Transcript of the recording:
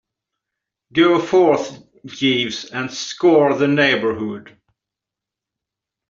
Go forth, Jeeves, and scour the neighbourhood.